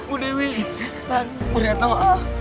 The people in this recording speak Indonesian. udah tau ah